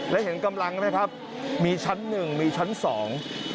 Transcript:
และเห็นกำลังนะครับมีชั้นหนึ่งมีชั้นสอง